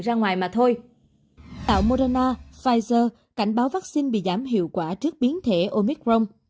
tạo moderna pfizer cảnh báo vaccine bị giảm hiệu quả trước biến thể omicron